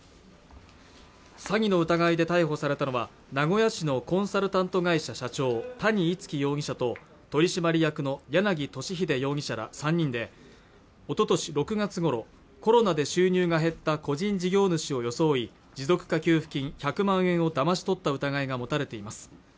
詐欺の疑いで逮捕されたのは名古屋市のコンサルタント会社社長谷逸輝容疑者と取締役の柳俊秀容疑者ら３人でおととし６月頃コロナで収入が減った個人事業主を装い持続化給付金１００万円をだまし取った疑いが持たれています